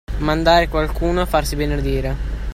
Mandare qualcuno a farsi benedire.